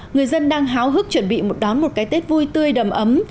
người dân đang háo hức chuẩn bị một đón một cái tết vui tươi đầm ấm